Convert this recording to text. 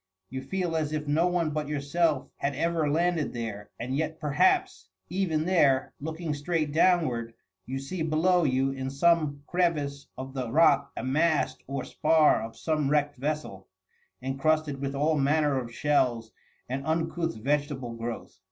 You feel as if no one but yourself had ever landed there; and yet, perhaps, even there, looking straight downward, you see below you in some crevice of the rock a mast or spar of some wrecked vessel, encrusted with all manner of shells and uncouth vegetable growth.